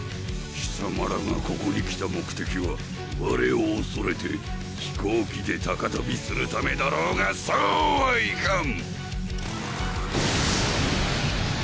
貴様らがここに来た目的はわれをおそれて飛行機で高とびするためだろうがそうはいかん！